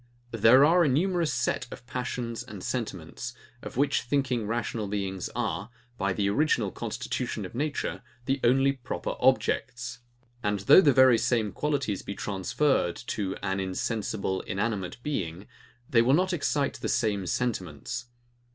There are a numerous set of passions and sentiments, of which thinking rational beings are, by the original constitution of nature, the only proper objects: and though the very same qualities be transferred to an insensible, inanimate being, they will not excite the same sentiments.